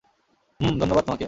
হুমম ধন্যবাদ তোমাকে।